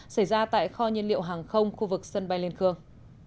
xảy ra tại kho nhiên liệu hàng không khu vực sân bay liên khương